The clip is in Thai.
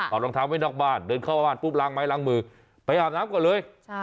เอารองเท้าไว้นอกบ้านเดินเข้าบ้านปุ๊บล้างไม้ล้างมือไปอาบน้ำก่อนเลย